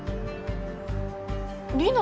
リナ！